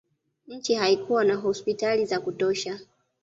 nchi haikuwa na hospitali za kutosha